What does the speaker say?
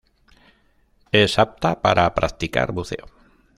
Es apta para practicar buceo.